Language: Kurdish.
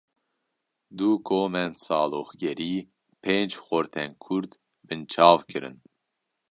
Du komên saloxgerî, pênc xortên Kurd binçav kirin